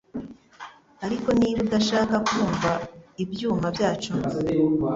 ariko niba udashaka kumva ibyuma byacu